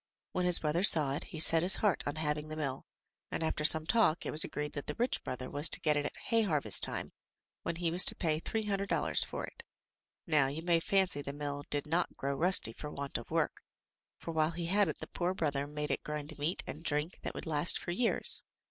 When his brother saw it, he set his heart on having the mill, and, after some talk, it was agreed that the rich brother was to get it at hay harvest time, when he was to pay three hun dred dollars for it. Now, you may fancy the mill did not grow rusty for want of work, for while he had it the poor brother made it grind meat and drink that would last for years.